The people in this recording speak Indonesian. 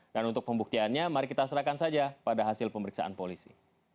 dan untuk pembuktiannya mari kita serahkan saja pada hasil pemeriksaan polisi